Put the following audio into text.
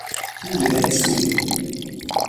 mi wile e suwi!